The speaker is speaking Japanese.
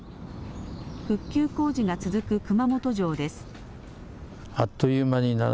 復旧工事が続く熊本城です。